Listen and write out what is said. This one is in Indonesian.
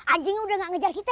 anjingnya udah gak ngejar kita